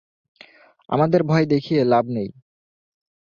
আমাদের ভয় দেখিয়ে লাভ নেই।